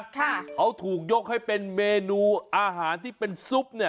ค่ะเขาถูกยกให้เป็นเมนูอาหารที่เป็นซุปเนี้ย